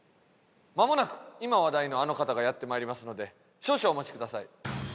まもなく今話題のあの方がやってまいりますので少々お待ちください。